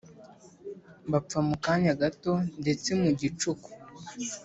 bapfa mu kanya gato ndetse mu gicuku